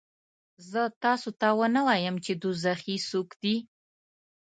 زه تاسې ته ونه وایم چې دوزخي څوک دي؟